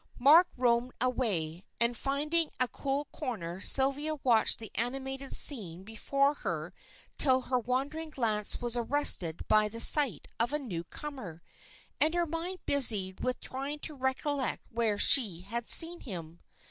Mark roamed away, and finding a cool corner Sylvia watched the animated scene before her till her wandering glance was arrested by the sight of a new comer, and her mind busied with trying to recollect where she had seen him.